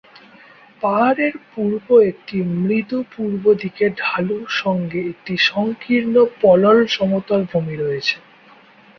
পাহাড়ের পূর্ব একটি মৃদু পূর্ব দিকে ঢালু সঙ্গে একটি সংকীর্ণ পলল সমতল ভূমি রয়েছে।